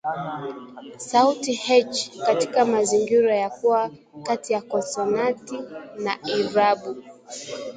sauti "h" katika mazingira ya kuwa kati ya konsonanti na irabu